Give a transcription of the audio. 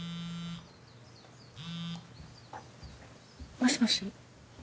もしもし。